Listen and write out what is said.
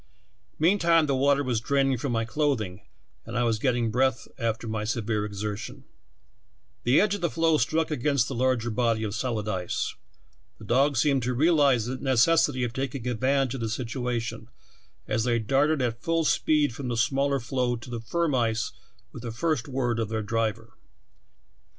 Meantime the water was draining from my clothing and I was getting breath after my severe exertion. "The edge of the floe struck against the larger FROZEN TO AN ICE FLOE. 45 body of solid ice. The dogs seemed to realize the necessity of taking advantage of the situation, as they darted at full speed from the smaller floe to the firm ice with the first word of their driver.